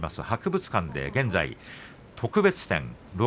博物館で現在、特別展